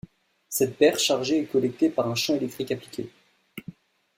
Cette paire chargée est collectée par un champ électrique appliqué.